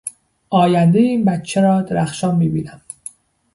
آیندهٔ این بچه را درخشان میبینم.